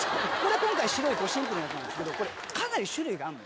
今回白いどシンプルなやつですけどこれかなり種類があるのよ。